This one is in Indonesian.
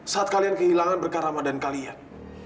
saat kalian kehilangan berkaramadan kalian